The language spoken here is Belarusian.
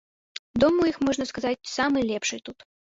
Дом у іх, можна сказаць, самы лепшы тут.